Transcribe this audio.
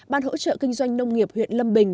ban hỗ trợ kinh doanh nông nghiệp huyện lâm bình